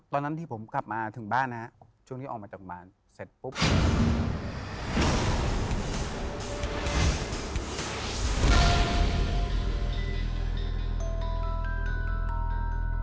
โปรดติดตามตอนต่อไป